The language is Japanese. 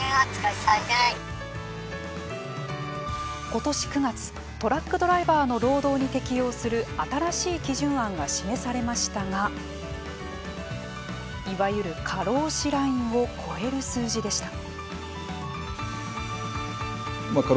今年９月トラックドライバーの労働に適用する新しい基準案が示されましたがいわゆる過労死ラインを超える数字でした。